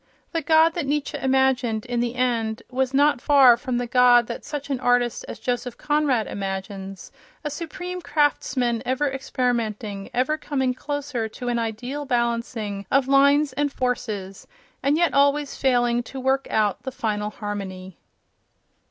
The God that Nietzsche imagined, in the end, was not far from the God that such an artist as Joseph Conrad imagines—a supreme craftsman, ever experimenting, ever coming closer to an ideal balancing of lines and forces, and yet always failing to work out the final harmony.